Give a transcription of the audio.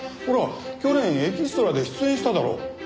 ほら去年エキストラで出演しただろう。